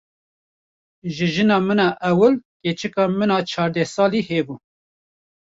Ji jina min a ewil keçeke min a çardeh salî hebû.